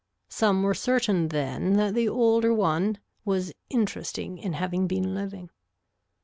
Some were certain then that the older one was interesting in having been living.